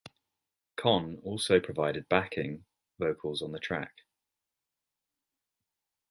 Conn also provided backing vocals on the track.